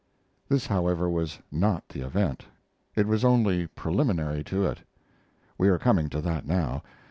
This, however, was not the event; it was only preliminary to it. We are coming to that now.